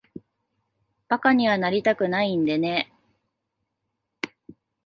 馬鹿にはなりたくないんでね。